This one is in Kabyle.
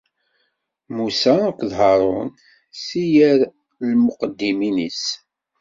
Musa akked Haṛun, si yer lmuqeddmin-is.